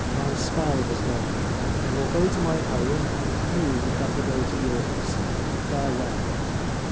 My spell has gone. I will go to my home, and you had better go to yours. Farewell.'